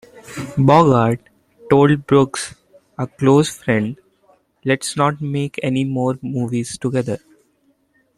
Bogart told Brooks, a close friend, let's not make any more movies together.